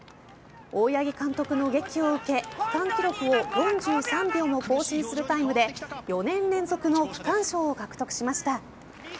大八木監督のげきを受け区間記録を４３秒も更新するタイムで４年連続の区間賞を獲得しました。